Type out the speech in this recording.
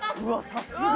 さすが。